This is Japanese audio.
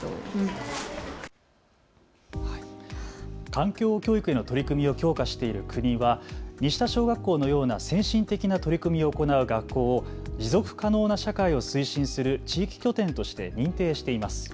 環境教育への取り組みを強化している国は西田小学校のような先進的な取り組みを行う学校を持続可能な社会を推進する地域拠点として認定しています。